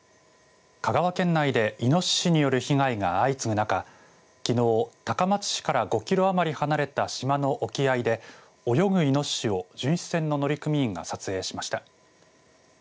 香川県内でいのししによる被害が相次ぐ中きのう高松市から５キロ余り離れた島の沖合で泳ぐ、いのししを巡視船の乗組員が撮影しました。